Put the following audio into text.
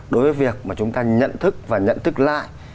đối với việc mà chúng ta nhận thức và nhận thức lại